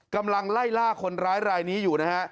กำลังไล่ล่าคนร้ายรายนี้อยู่นะฮะ